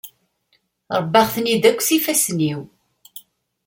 Rebbaɣ-ten-id akk s yifassen-iw.